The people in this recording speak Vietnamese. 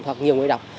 hoặc nhiều người đọc